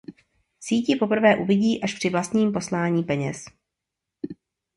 Síť ji poprvé uvidí až při vlastním poslání peněz.